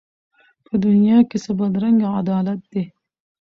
په دنیا کي څه بدرنګه عدالت دی